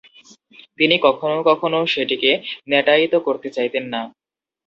তিনি কখনও কখনও সেটিকে নাট্যায়িত করতে চাইতেন না।